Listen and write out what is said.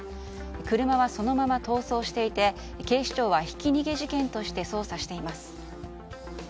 車はそのまま逃走していて警視庁はひき逃げ事件として捜査しています。